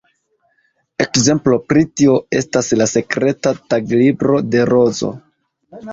Ekzemplo pri tio estas ""La Sekreta Taglibro de Rozo"".